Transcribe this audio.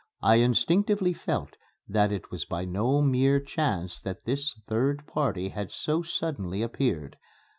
I instinctively felt that it was by no mere chance that this third party had so suddenly appeared.